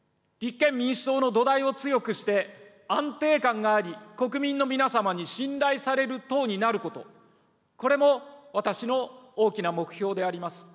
立憲民主党の土台を強くして、安定感があり、国民の皆様に信頼される党になること、これも私の大きな目標であります。